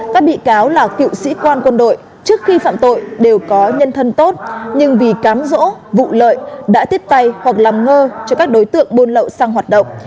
các bị cáo là cựu sĩ quan quân đội trước khi phạm tội đều có nhân thân tốt nhưng vì cám rỗ vụ lợi đã tiếp tay hoặc làm ngơ cho các đối tượng buôn lậu sang hoạt động